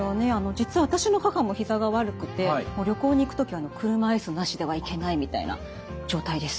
実は私の母もひざが悪くて旅行に行く時は車椅子なしでは行けないみたいな状態です。